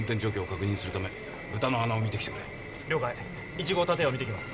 １号建屋を見てきます。